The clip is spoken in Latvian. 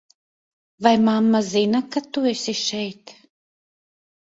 Vai mamma zina, ka tu esi šeit?